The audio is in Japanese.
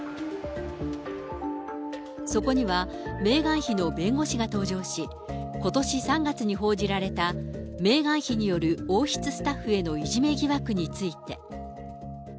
そこには、メーガン妃の弁護士が登場し、ことし３月に報じられた、メーガン妃による王室スタッフへのいじめ疑惑について。